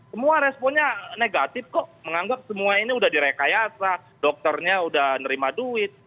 semua responnya negatif kok menganggap semua ini udah direkayasa dokternya udah nerima duit